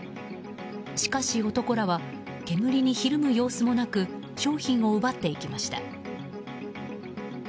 しかし男らは煙にひるむ様子もなく商品を奪っていきました。